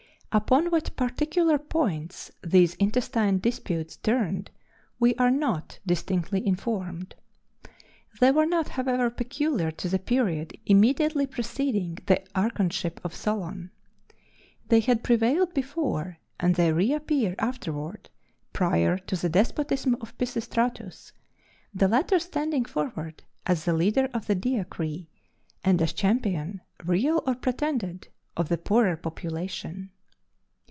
Upon what particular points these intestine disputes turned we are not distinctly informed. They were not, however, peculiar to the period immediately preceding the archonship of Solon. They had prevailed before, and they reappear afterward prior to the despotism of Pisistratus; the latter standing forward as the leader of the Diacrii, and as champion, real or pretended, of the poorer population.